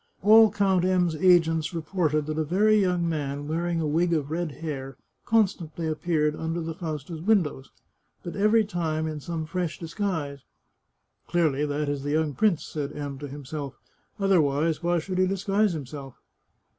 All Count M 's agents reported that a very young man, wearing a wig of red hair, constantly appeared under the Fausta's windows, but every time in some fresh dis guise. " Clearly that is the young prince," said M to himself ;" otherwise why should he disguise himself